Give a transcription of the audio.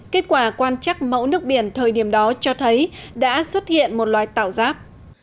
kết quả quan chắc mẫu nước biển thời điểm đó cho thấy đã xuất hiện một loài tạo giáp